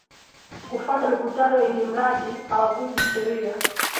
kufanya mikutano ili mradi hawavuji sheria